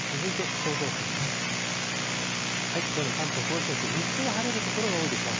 きょうの関東甲信越、日中は晴れる所が多いでしょう。